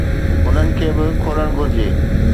انهن کي به کولڻ گهرجي.